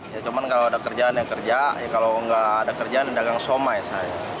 ya cuma kalau ada kerjaan yang kerja kalau nggak ada kerjaan dagang siomay saya